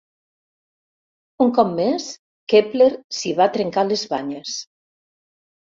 Un cop més, Kepler s'hi va trencar les banyes.